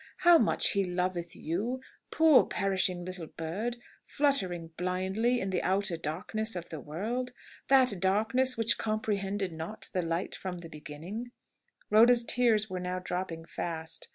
How much he loveth you, poor perishing little bird, fluttering blindly in the outer darkness of the world! that darkness which comprehended not the light from the beginning." Rhoda's tears were now dropping fast.